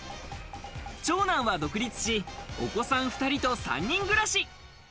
長男は独立し、お子さん２人と３人暮らし。